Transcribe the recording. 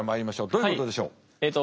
どういうことでしょう？